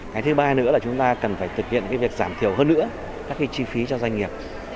cái thứ ba nữa là chúng ta cần phải thực hiện việc giảm thiểu hơn nữa các cái chi phí cho doanh nghiệp